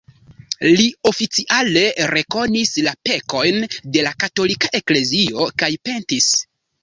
Li oficiale rekonis la pekojn de la Katolika Eklezio kaj pentis.